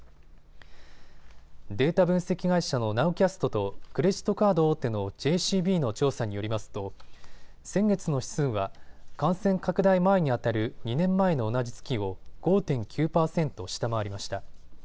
データ分析会社のナウキャストとクレジットカード大手のＪＣＢの調査によりますと、先月の指数は感染拡大前にあたる２年前の同じ月を５．９％下回りました。